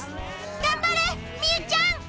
頑張れみうちゃん！